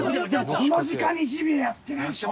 この時間にジビエやってないでしょ。